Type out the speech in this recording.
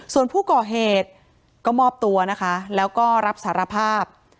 ส่วนผู้ก่อเหตุก็มอบตัวนะคะแล้วก็รับสารภาพ